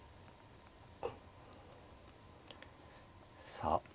さあ。